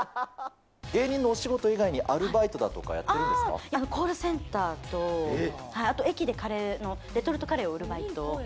芸人のお仕事以外に、アルバコールセンターと、あと駅でカレーの、レトルトカレーを売るバイト。